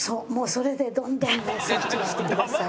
それでどんどん成長してください。